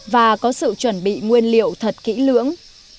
và có sự chuẩn bị nguyên liệu thật kỹ lưỡng